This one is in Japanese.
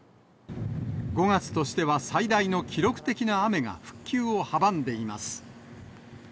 ５月としては最大の記録的な雨が復旧を阻んでいます。